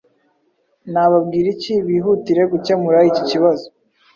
nababwira iki bihutire gukemura iki kibazo.